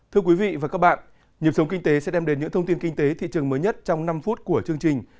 thưa quý vị và các bạn nhiệm sống kinh tế sẽ đem đến những thông tin kinh tế thị trường mới nhất trong năm phút của chương trình